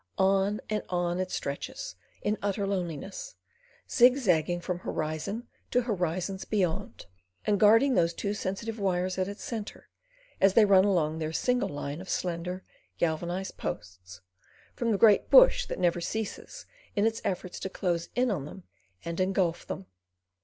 On and on it stretches in utter loneliness, zigzagging from horizon to horizons beyond, and guarding those two sensitive wires at its centre, as they run along their single line of slender galvanised posts, from the great bush that never ceases in its efforts to close in on them and engulf them.